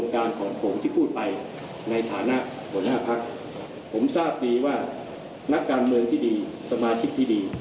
การการเมืองที่ดีสมาชิกที่ดี